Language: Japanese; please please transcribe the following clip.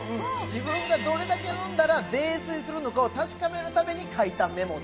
自分がどれだけ飲んだら泥酔するのかを確かめるために書いたメモで。